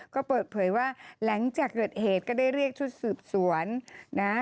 ก็เปิดเผยว่าหลังจากเกิดเหตุก็ได้เรียกชุดสืบสวนนะ